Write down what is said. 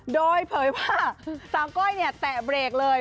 โดยเผยว่าสามก้อยแตะเบรกเลย